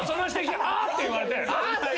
「あー！」って言われて。